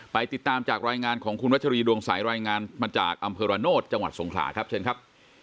ติดตามจากรายงานของคุณวัชรีดวงสายรายงานมาจากอำเภอระโนธจังหวัดสงขลาครับเชิญครับ